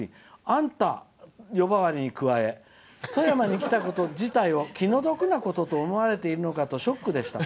あんた呼ばわりに加え富山に来たこと自体を気の毒なことと思われているのかとショックでした」。